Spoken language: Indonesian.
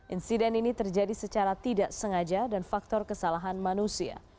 insiden ini terjadi secara tidak sengaja dan faktor kesalahan manusia